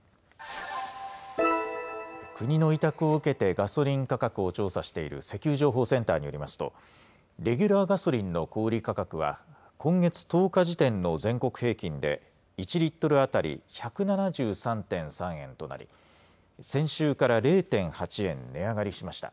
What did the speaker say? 国の委託を受けてガソリン価格を調査している石油情報センターによりますと、レギュラーガソリンの小売り価格は、今月１０日時点の全国平均で、１リットル当たり１７３．３円となり、先週から０．８円値上がりしました。